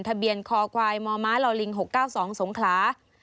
ทะเบียนคอควายมมลลิง๖๙๒สงขลา